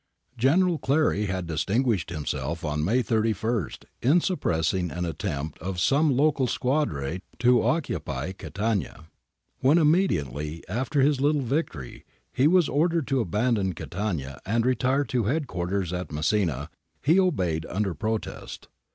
General Clary had distinguished himself on May 31 in suppressing an attempt of some local squadre to occupy Catania. When, immediately after this little victory, he was ordered to abandon Catania and retire to head quarters at Messina, he obeyed under protest.